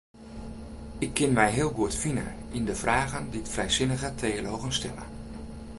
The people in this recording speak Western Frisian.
Ik kin my heel goed fine yn de fragen dy't frijsinnige teologen stelle.